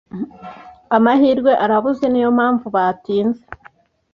Amahirwe arabuze, niyo mpamvu batinze.